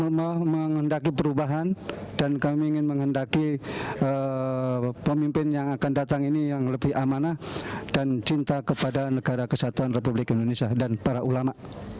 allah menghendaki perubahan dan kami ingin menghendaki pemimpin yang akan datang ini yang lebih amanah dan cinta kepada negara kesatuan republik indonesia dan para ulama